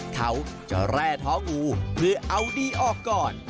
เขาจะแร่ท้องูเพื่อเอาดีออกก่อน